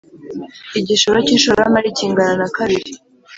igishoro cy ishoramari kingana na kabiri